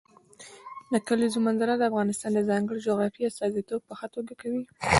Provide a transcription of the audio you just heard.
د کلیزو منظره د افغانستان د ځانګړي جغرافیې استازیتوب په ښه توګه کوي.